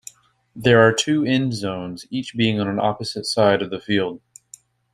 There are two end zones, each being on an opposite side of the field.